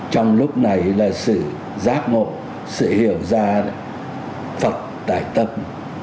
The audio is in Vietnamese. trong lúc này là sự giác ngộ sự hiểu ra phật tải tâm